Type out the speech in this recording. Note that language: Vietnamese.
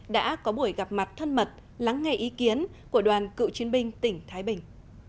đã có buổi gặp mặt thân mật lắng nghe ý kiến của đoàn cựu chiến binh tỉnh thái bình